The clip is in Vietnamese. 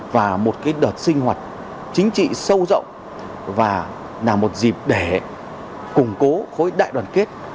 và một đợt sinh hoạt chính trị sâu rộng và là một dịp để củng cố khối đại đoàn kết